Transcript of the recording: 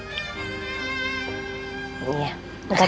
iya makasih din